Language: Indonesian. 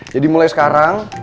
jadi mulai sekarang